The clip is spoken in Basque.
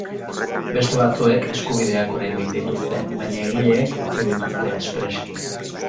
Beste batzuek eskubideak oraindik dituzte, baina egileek utzi dituzte espreski.